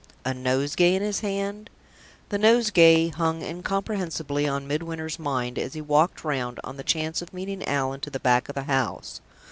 A nosegay in his hand? The nosegay hung incomprehensibly on Midwinter's mind as he walked round, on the chance of meeting Allan, to the back of the house.